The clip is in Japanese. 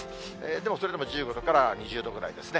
でもそれでも１５度から２０度ぐらいですね。